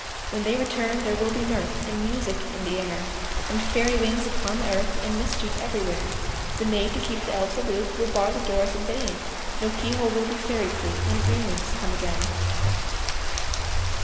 When they return, there will be mirth And music in the air, And fairy wings upon the earth, And mischief everywhere. The maids, to keep the elves aloof, Will bar the doors in vain ; No key hole will be fairy proof, When green leaves come again.